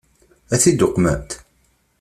Ad t-id-uqment?